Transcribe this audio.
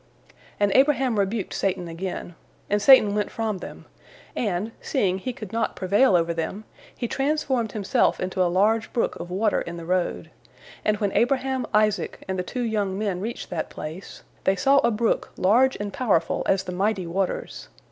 And Abraham rebuked Satan again, and Satan went from them, and, seeing he could not prevail over them, he transformed himself into a large brook of water in the road, and when Abraham, Isaac, and the two young men reached that place, they saw a brook large and powerful as the mighty waters.